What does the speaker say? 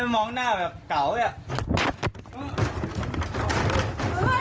มองหน้าแบบเก๋าเนี่ย